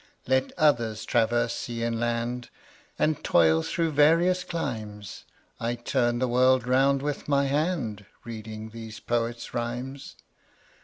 Let others traverse sea and land, And toil through various climes, 30 I turn the world round with my hand Reading these poets' rhymes.